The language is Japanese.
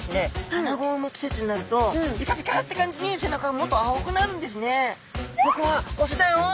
卵を産む季節になるとビカビカッて感じに背中がもっと青くなるんですね。